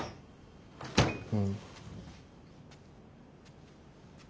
うん。